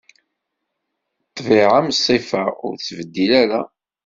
Ṭṭbiɛa am ṣṣifa, ur tettbeddil ara.